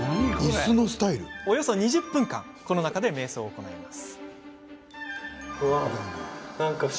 およそ２０分この中で瞑想を行います。